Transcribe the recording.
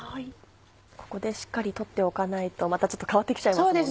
ここでしっかり取っておかないと変わってきちゃいますもんね。